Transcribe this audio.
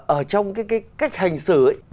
ở trong cái cách hành xử ấy